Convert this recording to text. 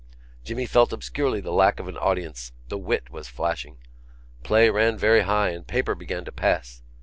Jimmy felt obscurely the lack of an audience: the wit was flashing. Play ran very high and paper began to pass.